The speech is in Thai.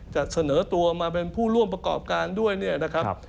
จะเสนอตัวมาเป็นผู้ร่วมประกอบการด้วยเนี่ยนะครับ